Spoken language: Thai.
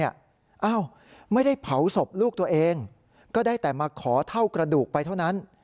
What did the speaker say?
อ้าวไม่ได้เผาศพลูกตัวเองก็ได้แต่มาขอเท่ากระดูกไปเท่านั้น